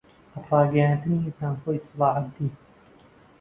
ڕاگەیاندنی زانکۆی سەلاحەددین